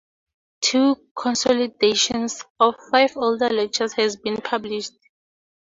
Two consolidations of five older lectures have been published.